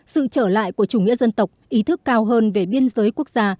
sự trở lại của chủ nghĩa dân tộc ý thức cao hơn về biên giới quốc gia